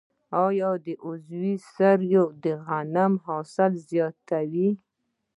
آیا عضوي سره د غنمو حاصل زیاتوي؟